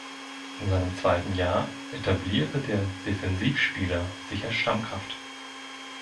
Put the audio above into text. In seinem zweiten Jahr etablierte der Defensivspieler sich als Stammkraft.